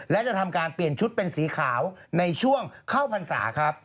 และจะทำการเปลี่ยนชุดเป็นสีขาวในช่วงเข้าพรรษาครับ